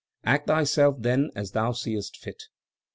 "Act thyself, then, as thou seest fit."